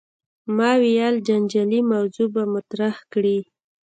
ما ویل جنجالي موضوع به مطرح کړې.